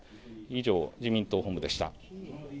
以上、自民党本部でした。